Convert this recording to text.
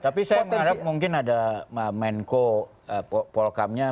tapi saya mengharap mungkin ada menko polkamnya